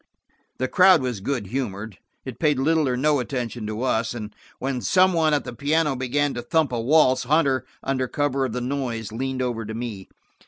'" The crowd was good humored; it paid little or no attention to us, and when some one at the piano began to thump a waltz, Hunter, under cover of the noise, leaned over to me.